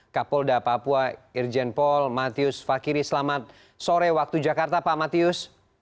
kapolda papua irjen paul matius fakiri selamat sore waktu jakarta pak matius